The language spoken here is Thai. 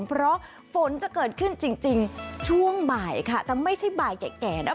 เพราะฝนจะเกิดขึ้นจริงช่วงบ่ายค่ะแต่ไม่ใช่บ่ายแก่นะ